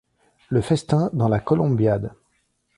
Le festin dans la Columbiad.